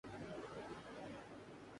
دعا ہے کہ یہ دونوں چیزیں ہمیشہ قائم رہیں۔